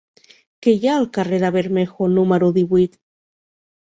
Què hi ha al carrer de Bermejo número divuit?